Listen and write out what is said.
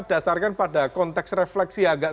dasarkan pada konteks refleksi agak